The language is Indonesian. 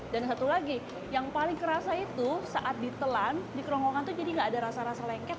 dan satu lagi yang paling kerasa itu saat ditelan dikerongkongan tuh jadi gak ada rasa rasa lengket